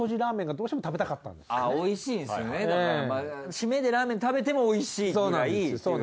締めでラーメン食べても美味しいくらいっていう。